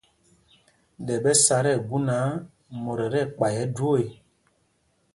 Ɗɛ ɓɛ sá tí ɛgu náǎ, mot ɛ tí ɛkpay ɛjwoo ê.